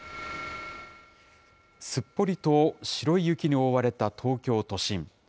すっぽりと白い雪に覆われた東京都心。